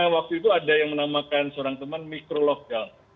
waktu itu ada yang menamakan seorang teman mikro lokal